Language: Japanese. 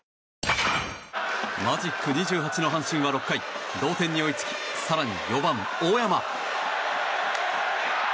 マジック２８の阪神は６回同点に追いつき更に４番、大山。